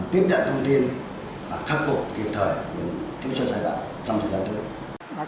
tiếp nhận thông tin và khắc phục kịp thời để tiếp xúc giai đoạn trong thời gian tư